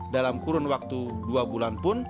dalam kurun waktu dua bulan pun